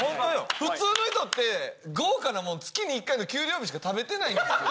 普通の人って、豪華なもん月に１回の給料日にしか食べてないんですよ。